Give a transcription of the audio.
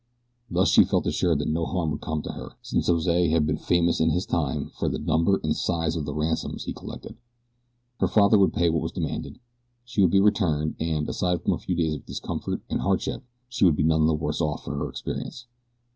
Thus she felt assured that no harm would come to her, since Jose had been famous in his time for the number and size of the ransoms he had collected. Her father would pay what was demanded, she would be returned and, aside from a few days of discomfort and hardship, she would be none the worse off for her experience.